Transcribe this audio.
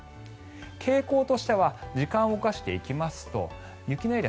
傾向としては時間を動かしていきますと雪のエリア